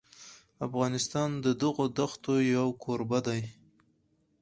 افغانستان د دغو دښتو یو کوربه دی.